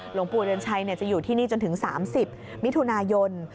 หลวงปูเดินชัยเนี่ยจะอยู่ที่นี่จนถึงสามสิบมิทุนายนต์